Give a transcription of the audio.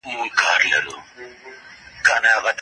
بهرام جان ځاځی